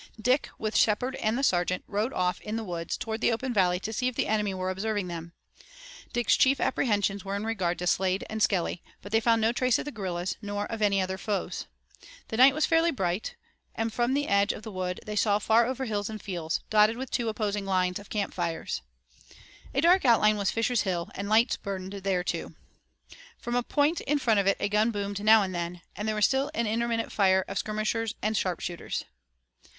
Dick with Shepard and the sergeant rode off in the woods towards the open valley to see if the enemy were observing them. Dick's chief apprehensions were in regard to Slade and Skelly, but they found no trace of the guerrillas, nor of any other foes. The night was fairly bright, and from the edge of the wood they saw far over hills and fields, dotted with two opposing lines of camp fires. A dark outline was Fisher's Hill, and lights burned there too. From a point in front of it a gun boomed now and then, and there was still an intermittent fire of skirmishers and sharpshooters.